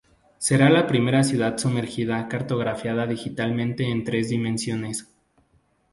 Será la primera ciudad sumergida cartografiada digitalmente en tres dimensiones.